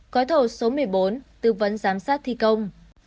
gói thầu số một mươi bốn tư vấn giám sát thi công